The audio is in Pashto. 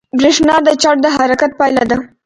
برېښنا د چارج د حرکت پایله ده.